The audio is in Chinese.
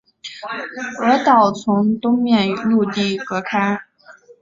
鹅岛从东面与陆地隔开。